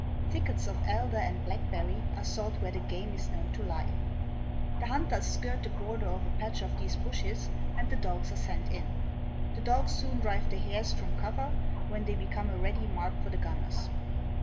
Thickets of elder and blackberry are sought where the game is known to lie. The hunters skirt the border of a patch of these bushes and the dogs are sent in. The dogs soon drive the hares from cover when they become a ready mark for the gunners.